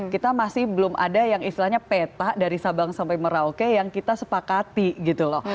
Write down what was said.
kita masih belum ada yang istilahnya peta dari sabang sampai merauke yang kita sepakati gitu loh